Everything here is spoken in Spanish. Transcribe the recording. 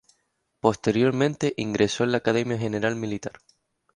Posteriormente, ingresó en la Academia General Militar.